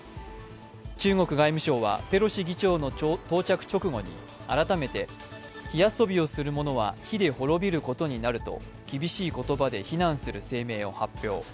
中国外務省はペロシ議長の到着直後に改めて火遊びする者は火で滅びることになると厳しい言葉で非難する声明を発表。